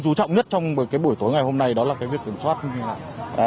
dù trọng nhất trong cái buổi tối ngày hôm nay đó là cái việc kiểm soát như thế nào